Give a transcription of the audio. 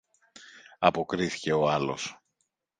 αποκρίθηκε ο άλλος.